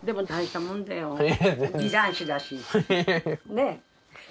ねえ！